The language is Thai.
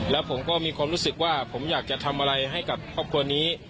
แล้วผมก็มีความรู้สึกว่าผมอยากจะทำอะไรให้กับครอบครัวนี้